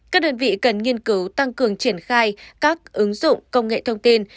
các đơn vị cần nghiên cứu tăng cường triển khai các ứng dụng công nghệ thông tin